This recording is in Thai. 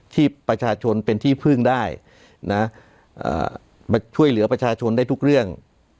ที่ประชาชนเป็นที่พึ่งได้นะมาช่วยเหลือประชาชนได้ทุกเรื่อง